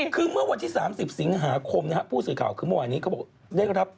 คือเมื่อวันที่๓๐สิงหาคมผู้สื่อข่าวคือเมื่อวานนี้เขาบอก